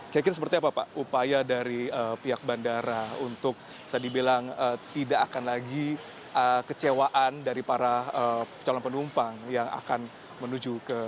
kira kira seperti apa pak upaya dari pihak bandara untuk bisa dibilang tidak akan lagi kecewaan dari para calon penumpang yang akan menuju ke